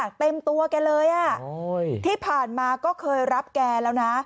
เต็มตัวแกเลยอ่ะโอ้ยที่ผ่านมาก็เคยรับแกแล้วนะ